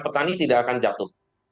petani tidak akan jatuh